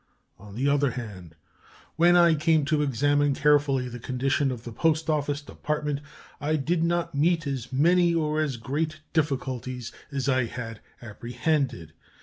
On the other hand, when I came to examine carefully the condition of the Post Office Department, I did not meet as many or as great difficulties as I had apprehended.